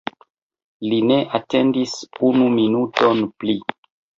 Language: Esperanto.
Li ne atendis unu momenton pli.